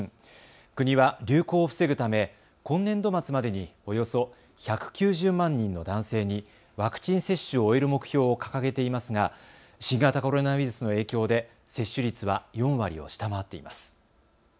国は流行を防ぐため今年度末までにおよそ１９０万人の男性にワクチン接種を終える目標を掲げていますが新型コロナウイルスの影響で接種率は４割を下回っています。